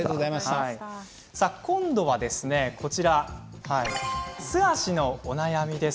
今度は素足のお悩みです。